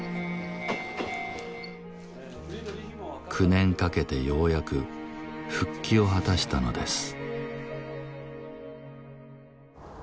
９年かけてようやく復帰を果たしたのです。